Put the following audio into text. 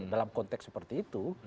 dalam konteks seperti itu